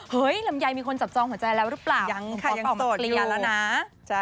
เห้ยลำใยมีคนจับจองหัวใจแล้วหรือเปล่า